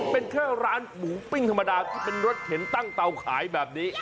เป็นแค่ร้านหมูปิ้งธรรมดาที่เป็นรถเข็นตั้งเตาขายแบบนี้